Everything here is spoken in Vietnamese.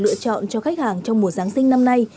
nó là một lựa chọn cho khách hàng trong mùa giáng sinh năm nay